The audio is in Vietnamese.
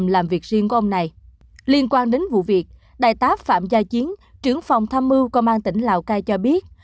liên quan đến vụ việc đại tá phạm gia chiến trưởng phòng tham mưu công an tỉnh lào cai cho biết